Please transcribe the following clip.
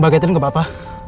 mbak catherine gak apa apa